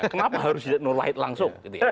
kenapa harus nur wahid langsung